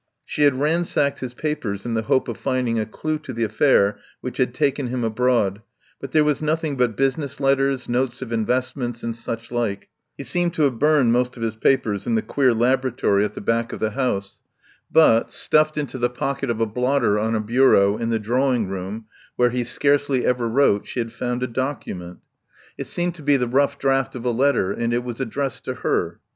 She had ransacked his papers in the hope of finding a clue to the affair which had taken him abroad, but there was nothing but busi ness letters, notes of investments, and such like. He seemed to have burned most of his papers in the queer laboratory at the back of 54 TELLS OF A MIDSUMMER NIGHT the house. But, stuffed into the pocket of a blotter on a bureau in the drawing room where he scarcely ever wrote, she had found a document. It seemed to be the rough draft of a letter, and it was addressed to her.